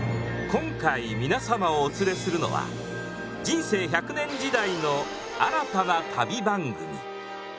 今回皆様をお連れするのは人生１００年時代の新たな旅番組！